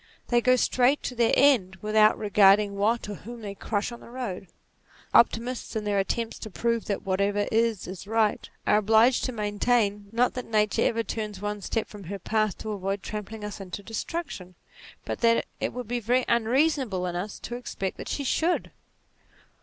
They go straight to their end, without regarding what or whom they crush on the road. Optimists, in their attempts to prove that "whatever is, is right," are obliged to maintain, not that Nature ever turns one step from her path to avoid trampling us into destruction, but that it would be very unreasonable in us to expect that she should.